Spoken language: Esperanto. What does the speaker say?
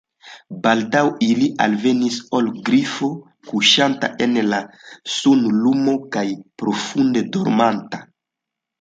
Baldaŭ ili alvenis al Grifo kuŝanta en la sunlumo kaj profunde dormanta.